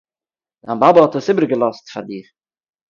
דיין באַבע האָט דאָס איבערגעלאָזט פאַר דיר